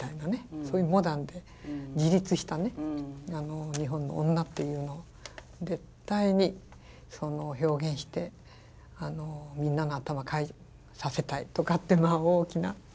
そういうモダンで自立した日本の女っていうのを絶対に表現してみんなの頭変えさせたいとかってまあ大きな。